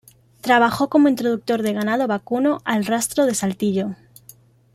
Trabajó como introductor de ganado vacuno al rastro de Saltillo.